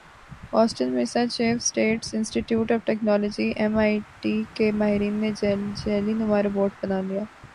Boston Massachusetts Institute of Technology M I T کے ماہرین نے jelly نما روبوٹ بنایا ہے